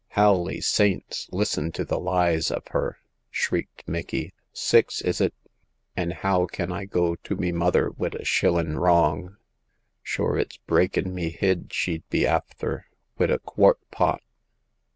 Howly saints ! listen to the lies av her !" shrieked Micky. *' Six, is it ? An' how can I go to me mother wid a shillin' wrong ? Sure, it's breakin' me hid she'd be afther, wid a quart pot